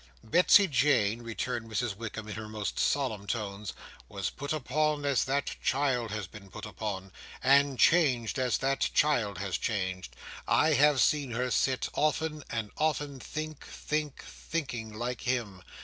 "Betsey Jane," returned Mrs Wickam in her most solemn tones, "was put upon as that child has been put upon, and changed as that child has changed. I have seen her sit, often and often, think, think, thinking, like him.